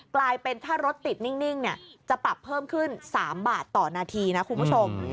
กลายเป็นถ้ารถติดนิ่งจะปรับเพิ่มขึ้น๓บาทต่อนาทีนะคุณผู้ชม